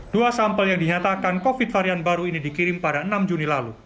dua sampel yang dinyatakan covid varian baru ini dikirim pada enam juni lalu